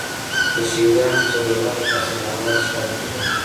د شهیدانو څلور لارې په اسداباد ښار کې ده